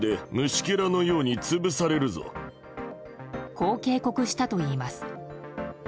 こう警告したといいます。